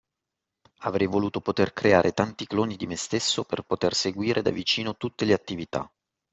Avrei voluto poter creare tanti cloni di me stesso per poter seguire da vicino tutte le attività